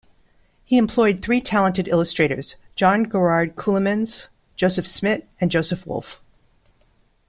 He employed three talented illustrators: John Gerrard Keulemans, Joseph Smit and Joseph Wolf.